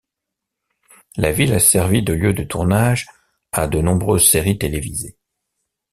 La ville a servi de lieu de tournage à de nombreuses séries télévisées.